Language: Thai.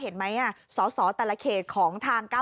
ในร่อง